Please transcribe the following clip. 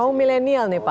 kaum milenial nih pak